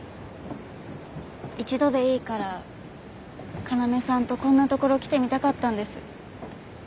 １度でいいから要さんとこんなところ来てみたかったんです。